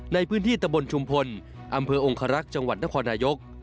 ในพื้นที่ตะบนชุมพลอำเภอองคารักษ์จังหวัดนครนายก